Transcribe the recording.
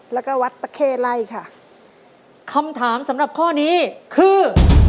แล้วก็วัดตะเข้ไล่ค่ะคำถามสำหรับข้อนี้คือ